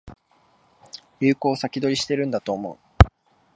流行を先取りしてるんだと思う